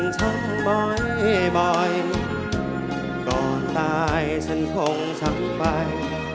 โปรดติดตามตอนต่อไป